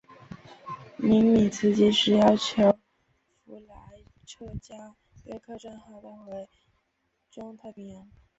尼米兹即时要求弗莱彻将约克镇号带回中太平洋。